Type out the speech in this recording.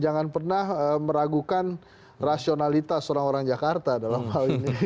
jangan pernah meragukan rasionalitas orang orang jakarta dalam hal ini